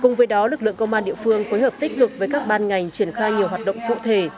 cùng với đó lực lượng công an địa phương phối hợp tích cực với các ban ngành triển khai nhiều hoạt động cụ thể